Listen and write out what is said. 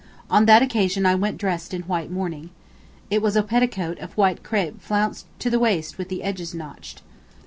On that occasion I went dressed in white mourning. ... It was a petticoat of white crape flounced to the waist with the edges notched.